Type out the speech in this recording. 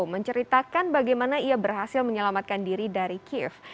menceritakan bagaimana ia berhasil menyelamatkan diri dari kiev